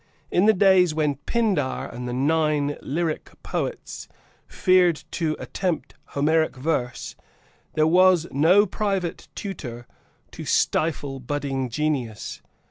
In the days when Pindar and the nine lyric poets feared to attempt Homeric verse there was no private tutor to stifle budding genius.